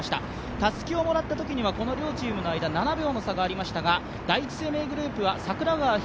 たすきをもらったときには両チームの間は７秒の差がありましたが、第一生命グループは櫻川響